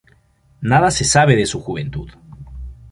Nada se sabe de su juventud.